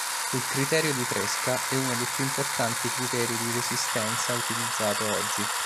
Il criterio di Tresca è uno dei più importanti criteri di resistenza utilizzato oggi.